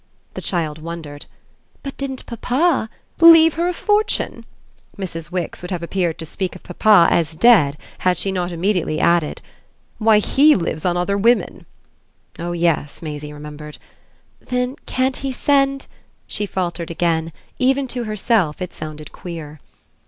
The child wondered. "But didn't papa ?" "Leave her a fortune?" Mrs. Wix would have appeared to speak of papa as dead had she not immediately added: "Why he lives on other women!" Oh yes, Maisie remembered. "Then can't he send " She faltered again; even to herself it sounded queer.